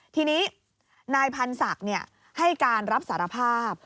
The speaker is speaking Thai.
ทีนี้นายพันธ์ศักดิ์ให้การรับสารภาพ